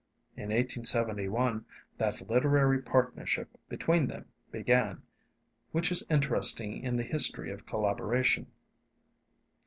In 1871 that literary partnership between them began, which is interesting in the history of collaboration.